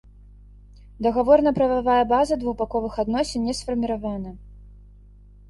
Дагаворна-прававая база двухбаковых адносін не сфарміравана.